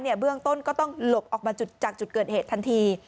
เบื้องต้นก็ต้องหลบออกมาจากจุดเกิดเหตุทันที